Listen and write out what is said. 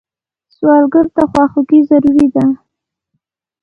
سوالګر ته خواخوږي ضروري ده